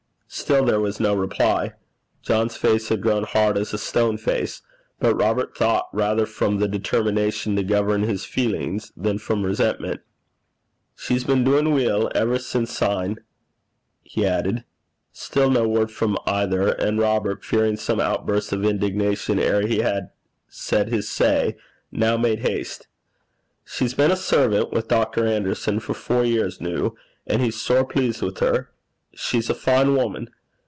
Still there was no reply. John's face had grown hard as a stone face, but Robert thought rather from the determination to govern his feelings than from resentment. 'She's been doin' weel ever sin' syne,' he added. Still no word from either; and Robert fearing some outburst of indignation ere he had said his say, now made haste. 'She's been a servant wi' Dr. Anderson for four year noo, an' he's sair pleased wi' her. She's a fine woman.